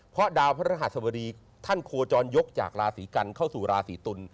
เพราะดาวพระรหัสบดีท่านโคจรยกจากราศีกันเข้าสู่ราศีตุล